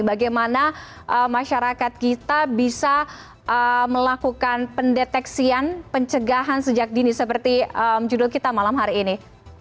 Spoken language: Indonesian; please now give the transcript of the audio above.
bagaimana masyarakat kita bisa melakukan pendeteksian pencegahan sejak dini seperti judul kita malam hari ini